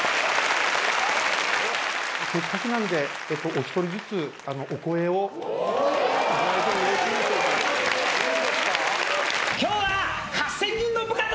せっかくなのでお１人ずつお声を頂いても。